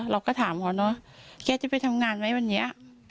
เราก็ถามเขาเนอะแกจะไปทำงานไหมวันนี้